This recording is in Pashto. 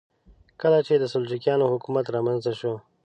کله چې د سلجوقیانو حکومت رامنځته شو.